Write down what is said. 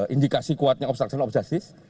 indikasi kuatnya obstruksional obsesif